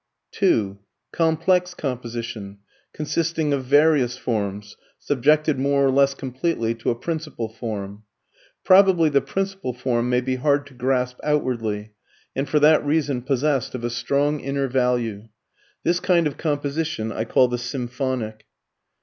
(2) Complex composition, consisting of various forms, subjected more or less completely to a principal form. Probably the principal form may be hard to grasp outwardly, and for that reason possessed of a strong inner value. This kind of composition I call the SYMPHONIC.